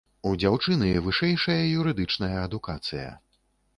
У дзяўчыны вышэйшая юрыдычная адукацыя.